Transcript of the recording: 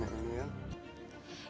nah penumpangnya sepenuhnya